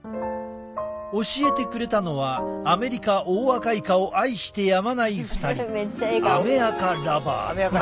教えてくれたのはアメリカオオアカイカを愛してやまない２人。